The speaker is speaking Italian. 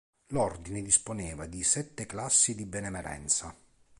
L'Ordine disponeva di sette classi di benemerenza.